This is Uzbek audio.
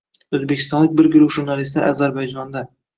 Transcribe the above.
O‘zbekistonlik bir guruh jurnalistlar Ozarbayjonda